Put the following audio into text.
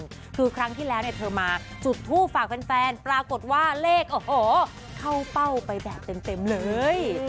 คือครั้งที่แล้วเนี่ยเธอมาจุดทูปฝากแฟนปรากฏว่าเลขโอ้โหเข้าเป้าไปแบบเต็มเลย